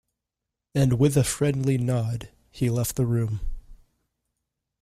And, with a friendly nod, he left the room.